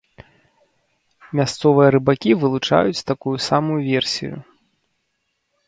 Мясцовыя рыбакі вылучаюць такую самую версію.